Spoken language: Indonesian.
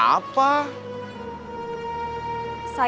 sudah empat tahun lagi